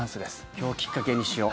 今日をきっかけにしよう。